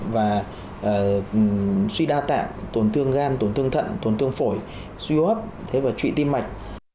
và suy đa tạng tổn thương gan tổn thương thận tổn thương phổi suy hô hấp thế và trụy tim mạch